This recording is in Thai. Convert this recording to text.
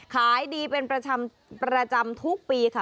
ขายดีเป็นประจำทุกปีค่ะ